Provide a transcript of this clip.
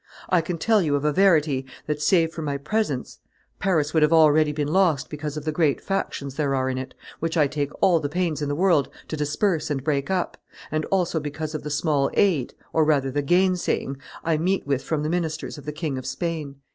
I can tell you of a verity that, save for my presence, Paris would have already been lost because of the great factions there are in it, which I take all the pains in the world to disperse and break up, and also because of the small aid, or rather the gainsaying, I meet with from the ministers of the King of Spain."